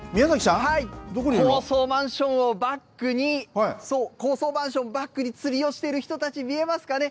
高層マンションをバックに、そう、高層マンションをバックに、釣りをしている人たち、見えますかね。